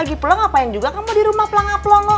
lagi pulang apa yang juga kamu di rumah pelang aplong lho